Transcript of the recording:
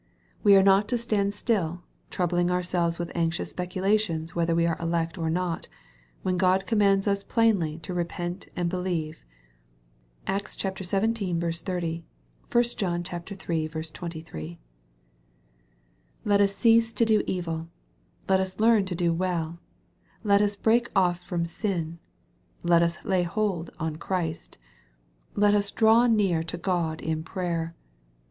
We are not to stand still, troubling ourselves with anxious speculations whether we are elect or not, when God commands us plainly to repent and believe. (Acts xvii. 30. 1 John iii. 23.) Let us cease to do evil. Let us learn to do well. Let us break off from sin. Let us lay hold on Christ. Let us draw near to God in prayer.